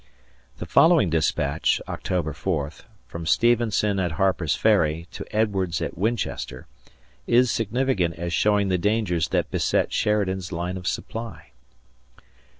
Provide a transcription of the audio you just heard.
The following dispatch (October 4) from Stevenson at Harper's Ferry, to Edwards at Winchester, is significant as showing the dangers that beset Sheridan's line of supply.